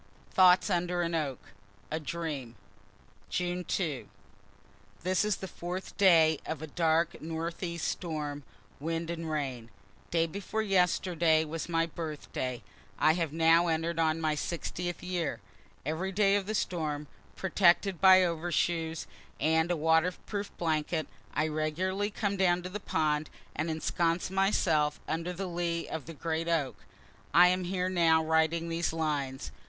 THOUGHTS UNDER AN OAK A DREAM June 2. This is the fourth day of a dark northeast storm, wind and rain. Day before yesterday was my birthday. I have now enter'd on my 60th year. Every day of the storm, protected by overshoes and a waterproof blanket, I regularly come down to the pond, and ensconce myself under the lee of the great oak; I am here now writing these lines.